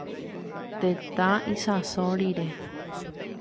Tetã isãso rire.